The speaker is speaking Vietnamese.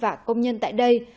và công nhân tại đây